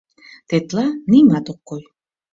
Тетла нимат ок кой.